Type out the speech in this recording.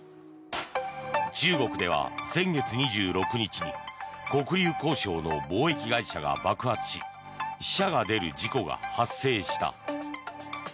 中国では先月２６日に黒竜江省の貿易会社が爆発し死者が出る事故が発生した。